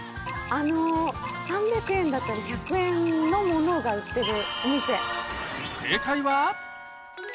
あの３００円だったり１００円のものが売ってるお店。